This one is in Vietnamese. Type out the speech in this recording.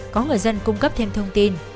có người dân cung cấp thêm thông tin